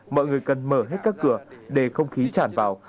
mọi người cần mở hết các cửa để không khí tràn vào